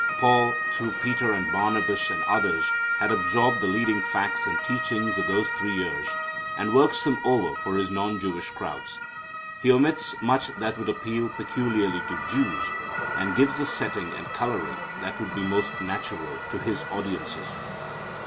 Paul, through Peter and Barnabas and others, has absorbed the leading facts and teachings of those three years, and works them over for his non Jewish crowds. He omits much that would appeal peculiarly to Jews, and gives the setting and coloring that would be most natural to his audiences.